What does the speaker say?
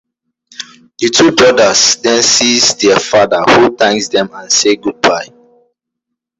The two brothers then sees their father who thanks them and say goodbye.